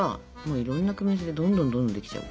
いろんな組み合わせでどんどんどんどんできちゃうから。